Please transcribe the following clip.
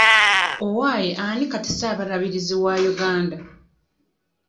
Owaaye ani kati ssaabalabirizi wa Uganda?